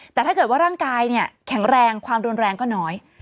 แต่ถ้าเกิดว่าร่างกายเนี่ยแข็งแรงความรุนแรงก็น้อย